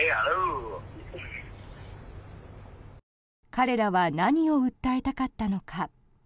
彼らは何を訴えたかったのか。